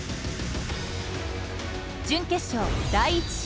準決勝第１試合。